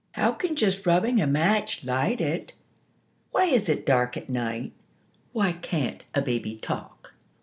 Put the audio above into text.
'How can just rubbing a match light it?' 'Why is it dark at night?' 'Why can't a baby talk?'